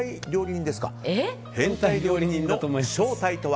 変態料理人の正体とは？